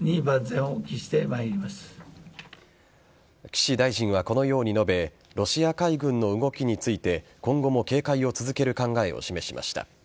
岸大臣はこのように述べロシア海軍の動きについて今後も警戒を続ける考えを示しました。